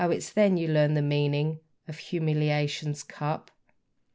it's then you learn the meaning of humiliation's cup.